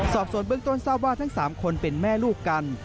สอบส่วนเบื้องต้นทราบว่าทั้ง๓คนเป็นแม่ลูกกัน